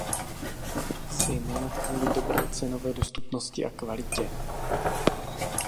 Zejména kvůli dobré cenové dostupnosti a kvalitě.